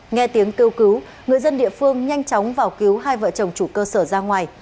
nghe tiếng kêu cứu người dân địa phương nhanh chóng vào cứu hai vợ chồng chủ cơ sở ra ngoài